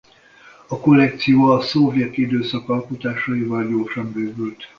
A kollekció a szovjet időszak alkotásaival gyorsan bővült.